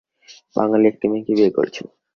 বাঙালি একটি মেয়েকে বিয়ে করেছিল।